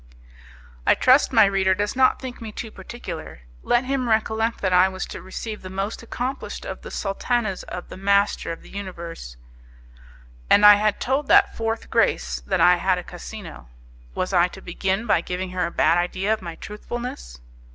I trust my reader does not think me too particular; let him recollect that I was to receive the most accomplished of the sultanas of the master of the universe, and I told that fourth Grace that I had a casino. Was I to begin by giving her a bad idea of my truthfulness?